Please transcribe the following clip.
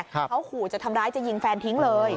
เขาขู่จะทำร้ายจะยิงแฟนทิ้งเลย